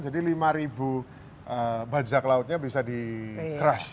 jadi lima bajak lautnya bisa di crush